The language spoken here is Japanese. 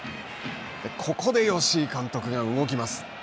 ここで吉井監督が動きます。